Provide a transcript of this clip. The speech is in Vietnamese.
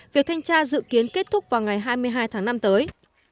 việc thanh tra dự kiến kết thúc vào ngày hai mươi hai tháng năm tới